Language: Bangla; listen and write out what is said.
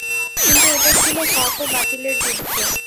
কিন্তু এটা ছিল হক ও বাতিলের যুদ্ধ।